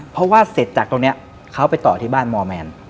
เพราะว่าเสร็จจากตรงนี้เขาไปต่อที่บ้านมอร์แมน